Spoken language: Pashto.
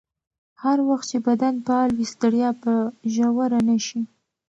هر وخت چې بدن فعال وي، ستړیا به ژوره نه شي.